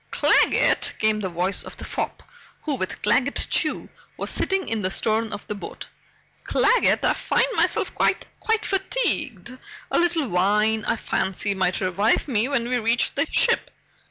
"Claggett," came the voice of the fop, who with Claggett Chew was sitting in the stern of the boat, "Claggett I find myself quite, quite fatigued. A little wine, I fancy, might revive me when we reach the ship.